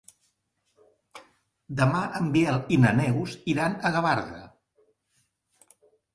Demà en Biel i na Neus iran a Gavarda.